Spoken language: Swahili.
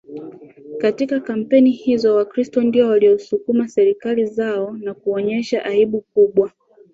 Katika kampeni hizo Wakristo ndio waliosukuma serikali zao na kuonyesha aibu kubwa